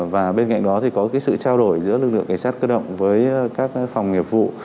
và bên cạnh đó thì có cái sự trao đổi giữa lực lượng cảnh sát cơ động với các phòng nghiệp vụ